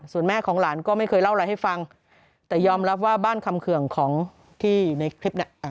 ส่วนแม่ของหลานก็ไม่เคยเล่าอะไรให้ฟังแต่ยอมรับว่าบ้านคำเขื่องของที่ในคลิปเนี่ย